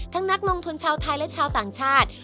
นักลงทุนชาวไทยและชาวต่างชาติ